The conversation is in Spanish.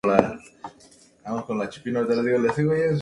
Clon de "The Complete Radio Sessions" de Blue Moon records.